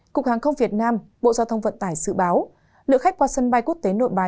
cục hàng không việt nam bộ giao thông vận tải dự báo lượng khách qua sân bay quốc tế nội bài